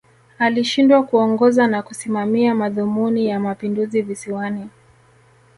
Alishindwa kuongoza na kusimamia madhumuni ya Mapinduzi Visiwani